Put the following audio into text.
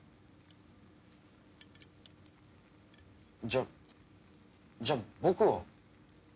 じゃじゃあ僕は？